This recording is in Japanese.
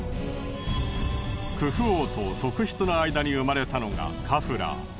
クフ王と側室の間に生まれたのがカフラー。